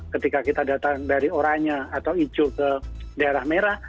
ketika kita datang dari oranye atau ijo ke daerah merah